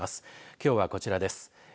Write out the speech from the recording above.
きょうはこちらです。